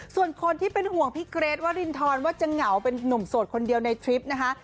ส่วนคนที่เป็นห่วงพี่เกรทวรินทรว่าจะเหงาเป็นนุ่มโสดคนเดียวในทริปนะคะ